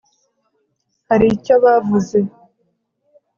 hari icyo bavuze